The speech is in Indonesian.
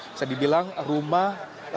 bisa dibilang rumah